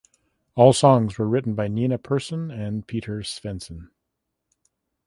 All songs were written by Nina Persson and Peter Svensson.